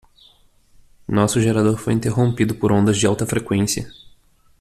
Nosso gerador foi interrompido por ondas de alta frequência.